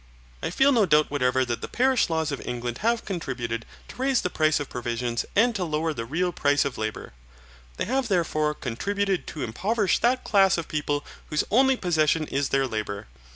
I feel no doubt whatever that the parish laws of England have contributed to raise the price of provisions and to lower the real price of labour. They have therefore contributed to impoverish that class of people whose only possession is their labour.